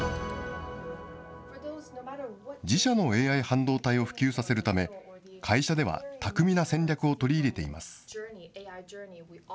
自社のＡＩ半導体を普及させるため、会社では巧みな戦略を取り入れています。